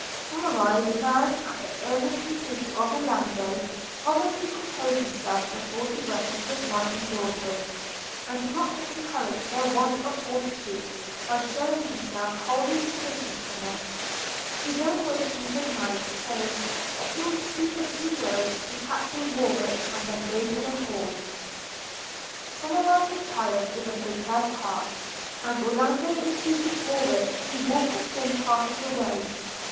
Somerive now, at the earnest entreaty of Orlando, promised to compose himself before he went to his wife and daughters, and not to encourage their want of fortitude, by shewing himself wholly deficient in it. He then wished him good night, saying, that he would speak a few words to Captain Warwick, and then go to the Hall. Somerive retired with an oppressed heart; and Orlando entreated Warwick to walk with him part of the way.